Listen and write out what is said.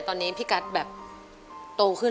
ตอนนี้พี่กัสแบบโตขึ้น